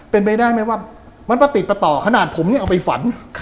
เป็นไปได้ไหมว่ามันต้องติดต่อขนาดผมเนี่ยเอาไปฝัน